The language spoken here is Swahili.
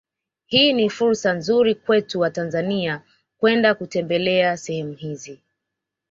Hii ni fursa nzuri kwetu watanzania kwenda kutembelea sehemu hizi